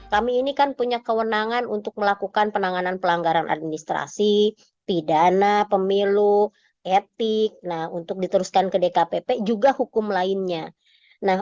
kami ini kan punya kewenangan untuk melakukan penanganan pelanggaran administrasi pidana pemilu etik untuk diteruskan ke dkpp juga hukum lainnya